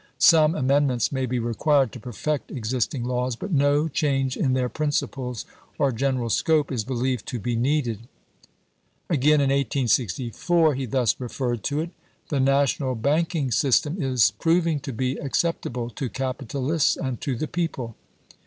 Some amend ments may be required to perfect existing laws, but no change in their principles or general scope is beheved to be needed. Again, in 1864, he thus referred to it : The national banking system is proving to be accept able to capitalists and to the people.